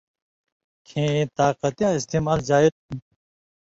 کھیں تے طاقتیاں استعمال جائز ہو تُھو۔